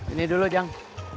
ini dulu jang